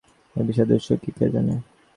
এই বিষাদের উৎস কী, কে জানে!